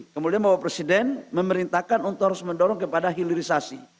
kemudian bapak presiden memerintahkan untuk harus mendorong kepada hilirisasi